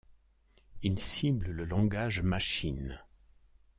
Il cible le langage machine.